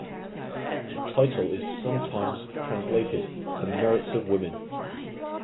The title is sometimes translated The Merits of Women.